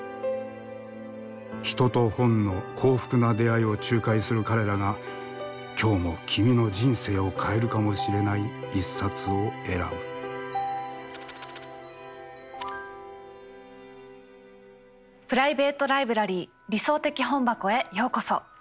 人と本の幸福な出会いを仲介する彼らが今日も君の人生を変えるかもしれない一冊を選ぶプライベート・ライブラリー「理想的本箱」へようこそ。